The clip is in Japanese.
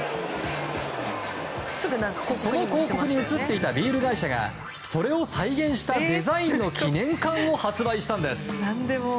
その広告に映っていたビール会社がそれを再現したデザインの記念缶を発売したんです。